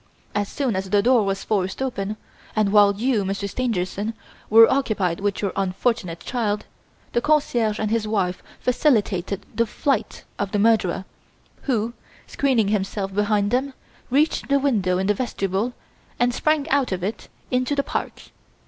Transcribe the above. As soon as the door was forced open, and while you, Monsieur Stangerson, were occupied with your unfortunate child, the concierge and his wife facilitated the flight of the murderer, who, screening himself behind them, reached the window in the vestibule, and sprang out of it into the park.